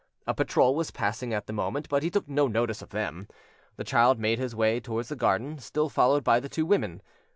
A patrol was passing at the moment, but he took no notice of them. The child made his way towards the garden, still followed by the two women.